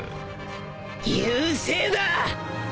優勢だ！